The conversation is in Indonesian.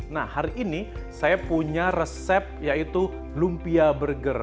nah hari ini saya punya resep yaitu lumpia burger